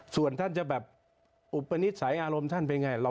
ส่วนท่านจะแบบอุปนิสัยอารมณ์ท่านเป็นไง